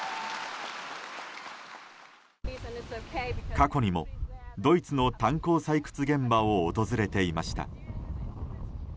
過去にも、ドイツの炭鉱採掘現場を訪れていました。